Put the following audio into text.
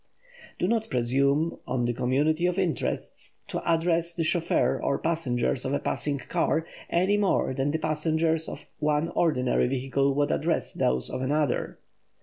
Do not presume on the community of interests to address the chauffeur or passengers of a passing car, any more than the passengers of one ordinary vehicle would address those of another.